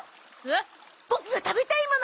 ボクが食べたいもの